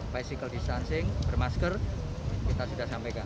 physical distancing bermasker kita sudah sampaikan